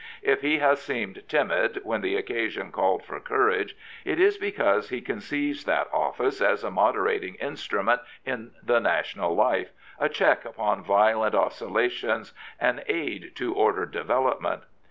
If he has seemed timid when the occasion called for courage, it is because he conceives that office as a moderating instrument in the national life, a check upon violent oscillations, an aid to ordered development.